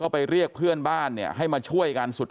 ไปเรียกเพื่อนบ้านให้มาช่วยกัน